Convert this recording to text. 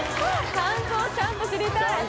感想ちゃんと知りたい！